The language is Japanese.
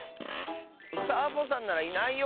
サボさんならいないよ。